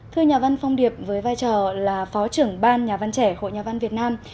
thưa nhà văn phong điệp với vai trò là phó trưởng ban nhà văn trẻ hội nhà văn việt nam